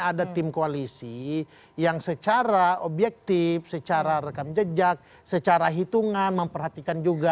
ada tim koalisi yang secara objektif secara rekam jejak secara hitungan memperhatikan juga